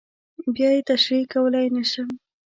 بیا یې تشریح کولی نه شم.